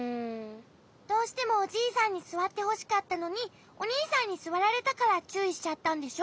どうしてもおじいさんにすわってほしかったのにおにいさんにすわられたからちゅういしちゃったんでしょ？